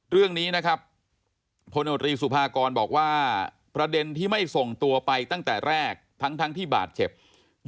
เรื่องนี้นะครับพลโนตรีสุภากรบอกว่าประเด็นที่ไม่ส่งตัวไปตั้งแต่แรกทั้งที่บาดเจ็บ